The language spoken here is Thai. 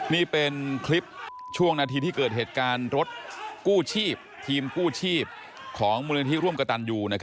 นี่เป็นคลิปช่วงนาทีที่เกิดเหตุการณ์รถกู้ชีพทีมกู้ชีพของมูลนิธิร่วมกระตันอยู่